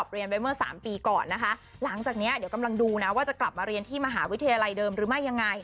เรียนไว้เมื่อสามปีก่อนนะคะหลังจากเนี้ยเดี๋ยวกำลังดูนะว่าจะกลับมาเรียนที่มหาวิทยาลัยเดิมหรือไม่ยังไง